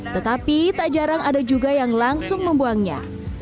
tetapi tak jarang ada juga yang langsung membuangnya